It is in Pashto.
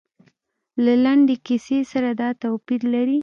له لنډې کیسې سره دا توپیر لري.